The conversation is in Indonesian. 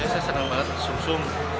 saya senang banget sum sum